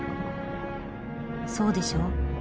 そうでしょう？